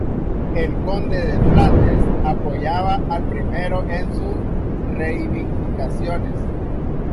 El conde de Flandes apoyaba al primero en sus reivindicaciones.